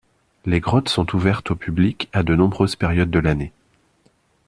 Les grottes sont ouvertes au public à de nombreuses périodes de l'année.